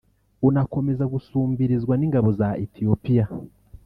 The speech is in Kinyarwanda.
unakomeza gusumbirizwa n’ingabo za Ethiopia